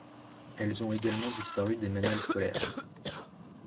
Elles ont également disparu des manuels scolaires.